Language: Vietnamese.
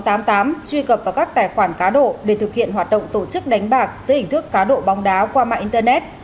truy cập vào các tài khoản cá độ để thực hiện hoạt động tổ chức đánh bạc dưới hình thức cá độ bóng đá qua mạng internet